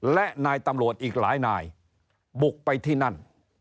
และนายตำรวจอีกหลายนายบุกไปที่นั่น